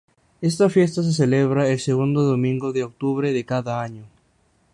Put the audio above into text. Esta fiesta se celebra el segundo domingo de octubre de cada año.